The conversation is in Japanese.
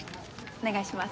お願いします。